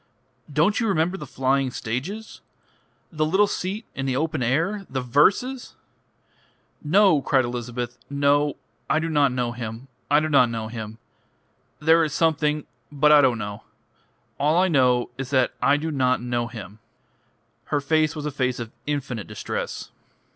Don't you remember the flying stages? The little seat in the open air? The verses " "No," cried Elizabeth, "no. I do not know him. I do not know him. There is something.... But I don't know. All I know is that I do not know him." Her face was a face of infinite distress.